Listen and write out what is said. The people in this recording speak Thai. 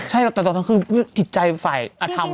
ใช่แต่ตอนทั้งคืนคือดิจติจัยฝ่ายธรรมมาก